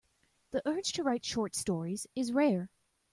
The urge to write short stories is rare.